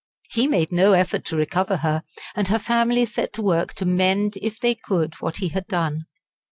He made no effort to recover her, and her family set to work to mend if they could what he had done.